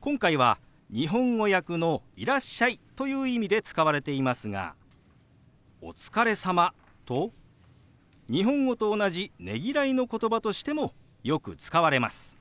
今回は日本語訳の「いらっしゃい」という意味で使われていますが「お疲れ様」と日本語と同じねぎらいのことばとしてもよく使われます。